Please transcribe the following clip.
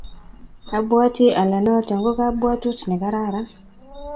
abwatii ale noto ko kabwatut ne kararan.